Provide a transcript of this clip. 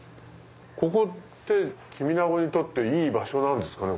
ここってキビナゴにとっていい場所なんですかね？